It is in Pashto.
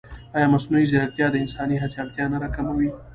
ایا مصنوعي ځیرکتیا د انساني هڅې اړتیا نه راکموي؟